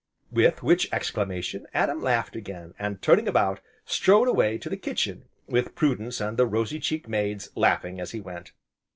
With which exclamation, Adam laughed again, and turning about, strode away to the kitchen with Prudence and the rosy cheeked maids, laughing as he went.